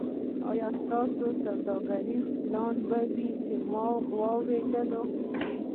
ایا دا ستاسو سوداګریز پلانونه وو چې ما اوریدل